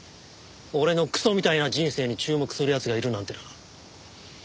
俺のクソみたいな人生に注目する奴がいるなんてな。